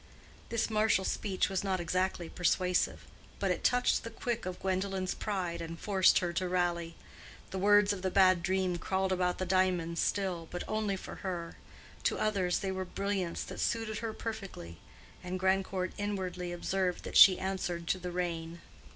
This marital speech was not exactly persuasive, but it touched the quick of Gwendolen's pride and forced her to rally. The words of the bad dream crawled about the diamonds still, but only for her: to others they were brilliants that suited her perfectly, and Grandcourt inwardly observed that she answered to the rein.